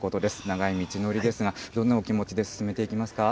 長い道のりですが、どんなお気持ちで進めていきますか？